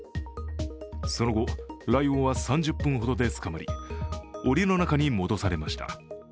その後、ライオンは３０分ほどでつかまりおりの中に戻されました。